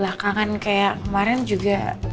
makan kayak kemarin juga